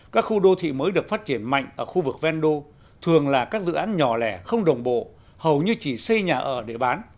các khu đô thị mới được phát triển mạnh ở khu vực ven đô thường là các dự án nhỏ lẻ không đồng bộ hầu như chỉ xây nhà ở để bán